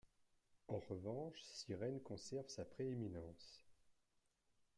En revanche, Cyrène conserve sa prééminence.